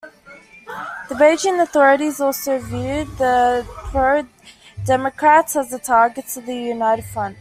The Beijing authorities also viewed the pro-democrats as the targets of the united front.